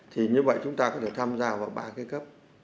thì như vậy chúng ta có thể tham gia vào ba cái cấp